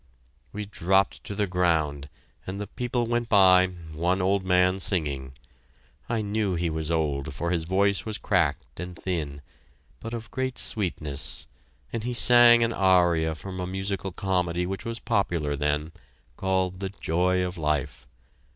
We dropped to the ground, and the people went by, one old man singing. I knew he was old, for his voice was cracked and thin, but of great sweetness, and he sang an aria from a musical comedy which was popular then, called "The Joy of Life."